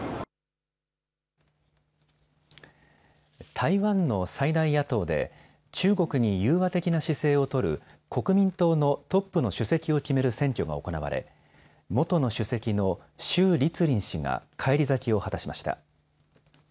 台湾の最大野党で中国に融和的な姿勢を取る国民党のトップの主席を決める選挙が行われ元の出席の朱立倫氏が返り咲きを果たしました。